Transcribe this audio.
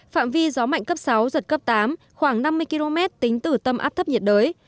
phạm vi gió mạnh cấp sáu giật cấp tám khoảng năm mươi km tính từ tâm áp thấp nhiệt đới